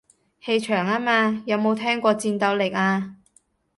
氣場吖嘛，有冇聽過戰鬥力啊